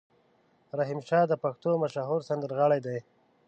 رحیم شا د پښتو مشهور سندرغاړی دی.